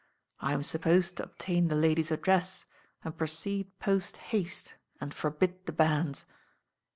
I'm sup posed to obtain the lady's address and proceed post haste and forbid the banns."